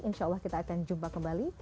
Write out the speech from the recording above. insya allah kita akan jumpa kembali